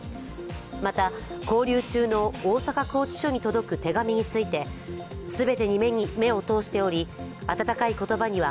また、勾留中の大阪拘置所に届く手紙について全てに目を通しており、あたたかい言葉には